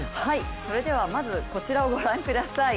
それではまずこちらをご覧ください。